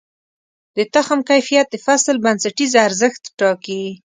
د تخم کیفیت د فصل بنسټیز ارزښت ټاکي.